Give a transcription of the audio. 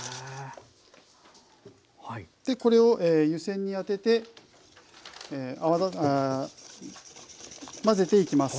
これを湯煎に当てて混ぜていきます。